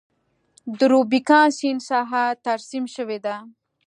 د روبیکان سیند ساحه ترسیم شوې ده.